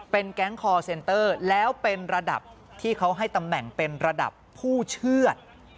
เป็นแก๊งคอร์เซนเตอร์แล้วเป็นระดับที่เขาให้ตำแหน่งเป็นระดับผู้เชื่อด